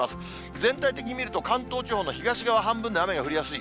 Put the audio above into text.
全体的に見ると、関東地方の東側半分で雨が降りやすい。